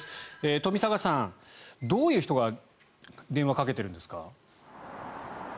冨坂さん、どういう人が電話をかけてるんですか。